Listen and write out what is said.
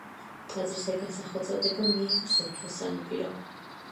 ტაძრისაგან სახელწოდება მიიღო სოფიას სანაპირომ.